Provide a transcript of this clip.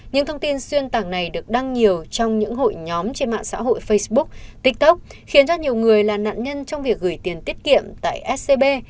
những thông tin xuyên tạc này được đăng nhiều trong những hội nhóm trên mạng xã hội facebook tiktok khiến cho nhiều người là nạn nhân trong việc gửi tiền tiết kiệm tại scb